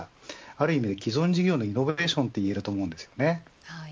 ある意味既存事業のイノベーションといえると思うんですね。